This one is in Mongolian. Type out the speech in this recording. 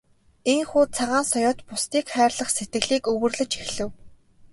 Ийнхүү Цагаан соёот бусдыг хайрлах сэтгэлийг өвөрлөж эхлэв.